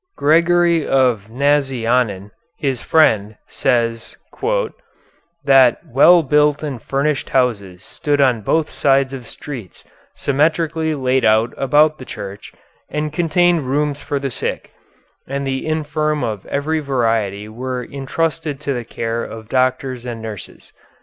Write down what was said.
Gregory of Nazianzen, his friend, says "that well built and furnished houses stood on both sides of streets symmetrically laid out about the church, and contained rooms for the sick, and the infirm of every variety were intrusted to the care of doctors and nurses."